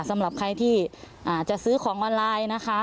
สำหรับใครที่จะซื้อของออนไลน์นะคะ